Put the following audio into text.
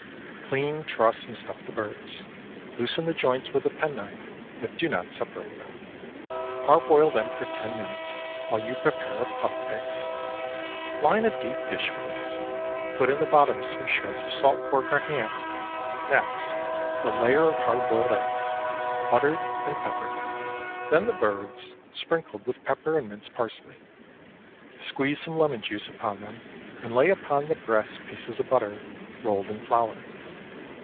Clean, truss, and stuff the birds. Loosen the joints with a penknife, but do not separate them. Parboil them for ten minutes, while you prepare a puff paste. Line a deep dish with this; put in the bottom some shreds of salt pork or ham; next, a layer of hard boiled eggs, buttered and peppered; then the birds, sprinkled with pepper and minced parsley. Squeeze some lemon juice upon them, and lay upon the breasts pieces of butter rolled in flour.